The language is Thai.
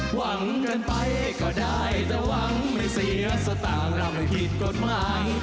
หวังเงินไปก็ได้แต่หวังไม่เสียสตางค์เราไม่ผิดกฎหมาย